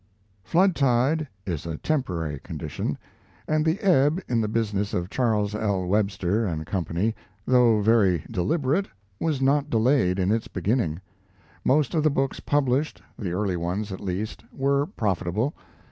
Flood tide is a temporary condition, and the ebb in the business of Charles L. Webster & Co., though very deliberate, was not delayed in its beginning. Most of the books published the early ones at least were profitable.